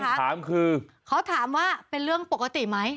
คำถามคือเขาถามว่าเป็นเรื่องปกติไหม